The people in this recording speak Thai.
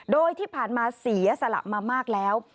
โดยที่ผ่านมาเสียสละมามากแล้ว